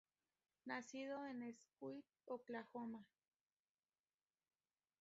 Nacido en Stillwater, Oklahoma.